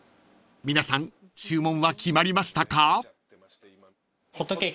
［皆さん注文は決まりましたか？］